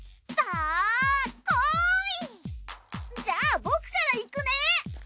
じゃあ僕からいくね！